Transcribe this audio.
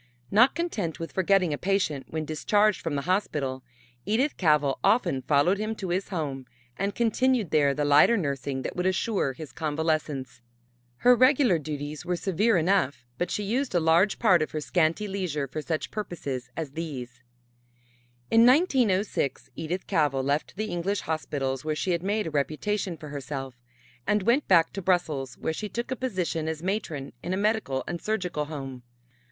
Not content with forgetting a patient when discharged from the hospital, Edith Cavell often followed him to his home and continued there the lighter nursing that would assure his convalescence. Her regular duties were severe enough but she used a large part of her scanty leisure for such purposes as these. In 1906 Edith Cavell left the English hospitals, where she had made a reputation for herself, and went back to Brussels, where she took a position as matron in a Medical and Surgical Home.